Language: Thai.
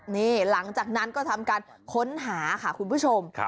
นี่หลังจากนั้นก็ทำการค้นหาค่ะคุณผู้ชม